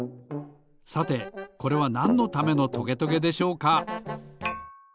さてこれはなんのためのトゲトゲでしょうか？